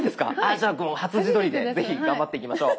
じゃあ初自撮りで是非頑張っていきましょう。